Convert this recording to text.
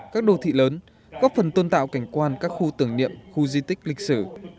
các đô thị lớn góp phần tôn tạo cảnh quan các khu tưởng niệm khu di tích lịch sử